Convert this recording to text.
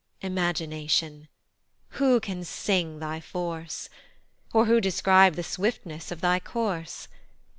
Imagination! who can sing thy force? Or who describe the swiftness of thy course?